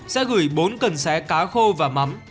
sẽ gửi bốn cần xé cá khô và mắm